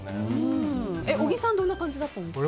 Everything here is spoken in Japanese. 小木さんどんな感じだったんですか。